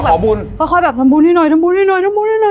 ขอบุญค่อยแบบทำบุญให้หน่อยทำบุญให้หน่อยทำบุญให้หน่อย